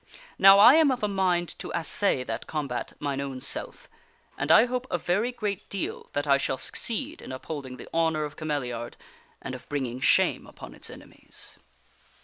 Now I am of a mind to assay that combat mine own self, and I hope a very great deal that I shall succeed in upholding the honor of Cameliard and of bringing shame upon its enemies.